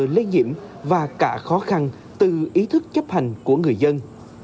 lây nhiễm và cả khó khăn từ ý thức chấp hành của người dân